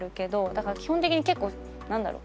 だから基本的に結構なんだろう